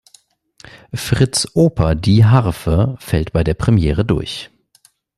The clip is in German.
Fritz’ Oper „Die Harfe“ fällt bei der Premiere durch.